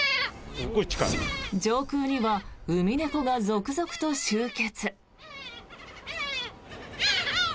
上空にはウミネコが続々と集結。